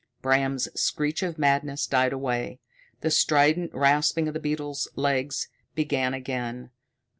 Bram's screech of madness died away. The strident rasping of the beetles' legs began again.